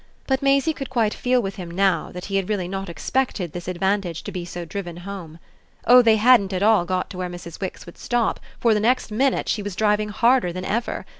But Maisie could quite feel with him now that he had really not expected this advantage to be driven so home. Oh they hadn't at all got to where Mrs. Wix would stop, for the next minute she was driving harder than ever.